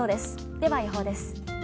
では予報です。